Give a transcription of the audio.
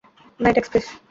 না এটা এক্সপ্রেস।